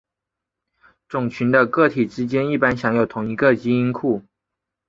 种群的个体之间一般享有同一个基因库。